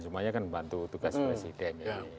semuanya kan membantu tugas presiden